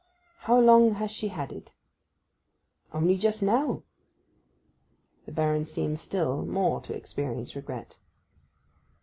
'How long has she had it?' 'Only just now.' The Baron seemed still more to experience regret.